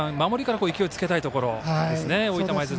守りから勢いをつけたいところですね